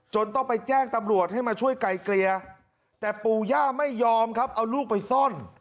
ต้องไปแจ้งตำรวจให้มาช่วยไกลเกลี่ยแต่ปู่ย่าไม่ยอมครับเอาลูกไปซ่อน